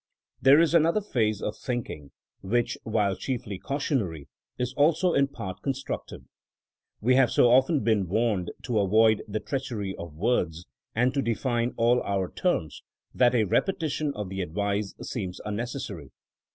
There is another phase of thinking, which while chiefly cautionary, is also in part construc tive. We have so often been warned to *' avoid the treachery of words'' and to define all our terms '' that a repetition of the advice seems un necessary.